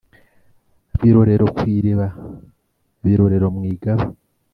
birorero ku iriba birorero mu igaba